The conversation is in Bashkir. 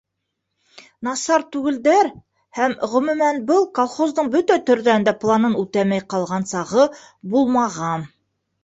Насар түгелдәр, һәм, ғөмүмән, был колхоздың бөтә төрҙән дә планын үтәмәй ҡалған сағы булмаған.